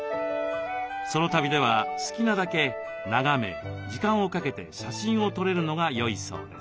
ソロ旅では好きなだけ眺め時間をかけて写真を撮れるのがよいそうです。